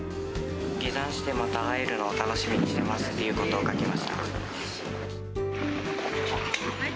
下山してまた会えるのを楽しみにしていますっていうのを書きました。